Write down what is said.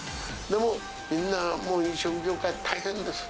でも、みんなもう、飲食業界は大変です。